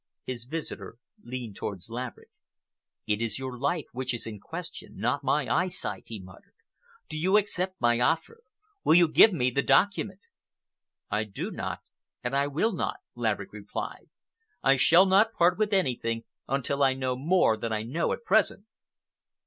His visitor leaned towards Laverick. "It is your life which is in question, not my eyesight," he muttered. "Do you accept my offer? Will you give me the document?" "I do not and I will not," Laverick replied. "I shall not part with anything until I know more than I know at present."